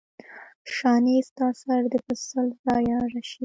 شانې ستا سر دې په سل ځایه اره شي.